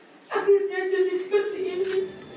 akhirnya jadi seperti ini